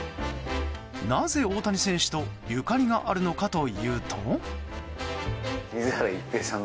なぜ、大谷選手とゆかりがあるのかというと。